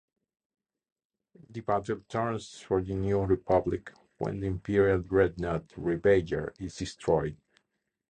The battle turns for the New Republic when the Imperial dreadnought "Ravager" is destroyed.